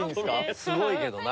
すごいけどな。